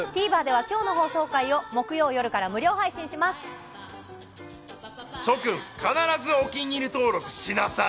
ＴＶｅｒでは今日の放送回を木曜夜から無料配信します。